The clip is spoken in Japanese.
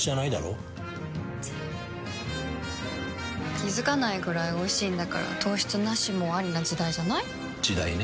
気付かないくらいおいしいんだから糖質ナシもアリな時代じゃない？時代ね。